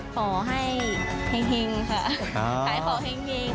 ขอให้แห่งหิงค่ะขายขอแห่งหิง